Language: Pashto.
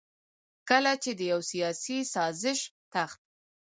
کله چې د يو سياسي سازش تحت